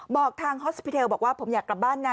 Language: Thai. บอกทางฮอสสปิเทลบอกว่าผมอยากกลับบ้านนะ